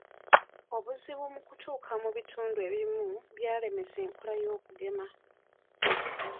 Obuzibu mu kutuuka mu bitundi ebimu bwalemesa enkola y'okugema.